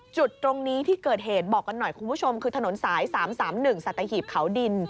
จุดตรงนี้ที่เกิดเหตุบอกกันหน่อยคุณผู้ชมคือถนนสาย๓๓๑สัตหีบเขาดิน